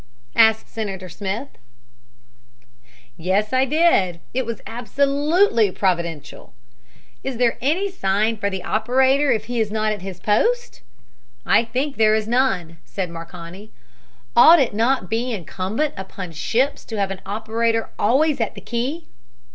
asked Senator Smith. "Yes, I did. It was absolutely providential." "Is there any signal for the operator if he is not at his post?'{'} "I think there is none," said Marconi. "Ought it not be incumbent upon ships to have an operator always at the key?"